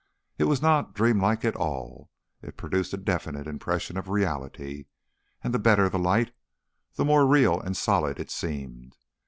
It was not dream like at all: it produced a definite impression of reality, and the better the light the more real and solid it seemed.